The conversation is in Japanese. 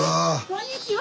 こんにちは。